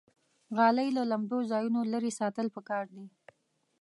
غالۍ له لمدو ځایونو لرې ساتل پکار دي.